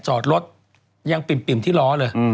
จอดรถยังปิ่มที่ล้อเลย